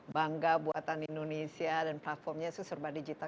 bangga buatan indonesia dan platformnya itu serba digital